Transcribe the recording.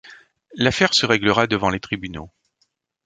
L'affaire se réglera devant les tribunaux.